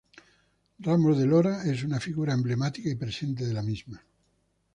Ramos de Lora es una figura emblemática y presente de la misma.